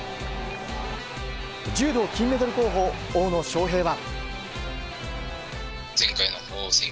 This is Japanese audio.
柔道金メダル候補大野将平は。